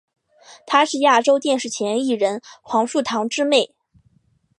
她是亚洲电视前艺人黄树棠之妹。